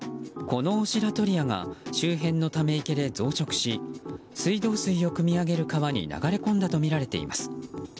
このオシラトリアが周辺のため池で増殖し水道水をくみ上げる川に流れ込んだとみられています。